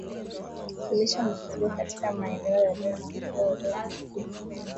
Kulisha mifugo katika maeneo yaliyo na kupe walioambukizwa